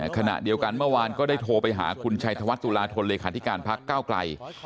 ขณะเดียวกันเมื่อวานก็ได้โทรไปหาคุณชัยธวัฒนตุลาธนเลขาธิการพักก้าวไกล